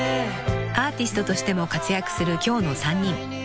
［アーティストとしても活躍する今日の３人］